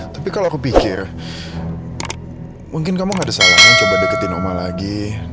tapi kalau aku pikir mungkin kamu gak ada salahan coba deketin oma lagi